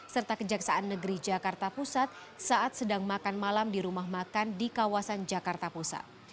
serta kejaksaan negeri jakarta pusat saat sedang makan malam di rumah makan di kawasan jakarta pusat